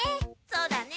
そうだね！